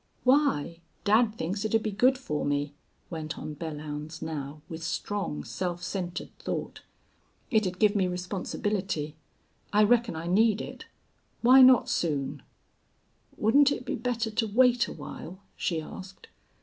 "Why? Dad thinks it'd be good for me," went on Belllounds, now, with strong, self centered thought. "It'd give me responsibility. I reckon I need it. Why not soon?" "Wouldn't it be better to wait awhile?" she asked.